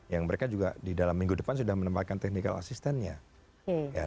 yang mereka juga di dalam minggu depan sudah menempatkan technical assistantnya